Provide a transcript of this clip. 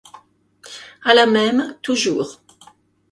À la même, toujours.